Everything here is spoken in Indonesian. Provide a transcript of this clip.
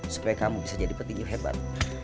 supaya kamu bisa jadi petinggi hebat